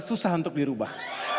susah untuk dirubah